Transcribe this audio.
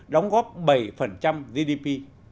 đóng góp bảy gdp